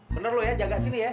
bener loh ya jaga sini ya